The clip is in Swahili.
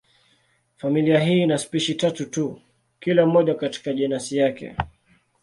Familia hii ina spishi tatu tu, kila moja katika jenasi yake.